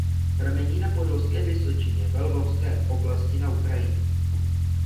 Pramení na Podolské vysočině ve Lvovské oblasti na Ukrajině.